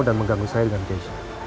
dan mengganggu saya dengan keisha